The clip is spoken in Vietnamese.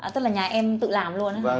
tức là nhà em tự làm luôn hả